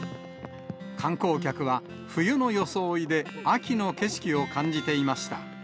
観光客は、冬の装いで秋の景色を感じていました。